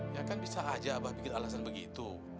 ya kan bisa aja abah bikin alasan begitu